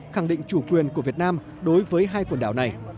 khẳng định chủ quyền của việt nam đối với hai quần đảo này